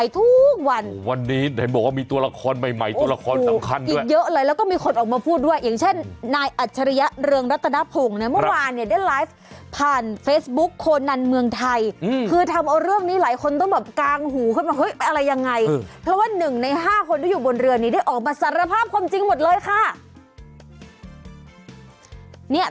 อ๋อตอนนี้หลายคนกลางหูเข้ามาว่าเปล่ายังเง่ะเพราะว่าหนึ่งในห้าคนที่อยู่บนเรือนี้ได้ออกมาสารภาพคมจริงหมดเลยค่ะ